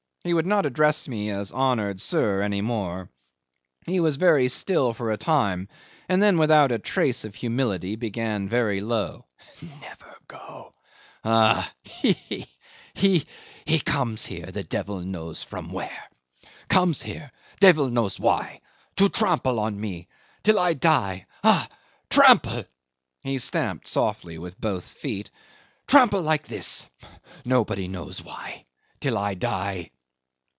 He would not address me as "honoured sir" any more. He was very still for a time, and then without a trace of humility began very low: "Never go ah! He he he comes here devil knows from where comes here devil knows why to trample on me till I die ah trample" (he stamped softly with both feet), "trample like this nobody knows why till I die.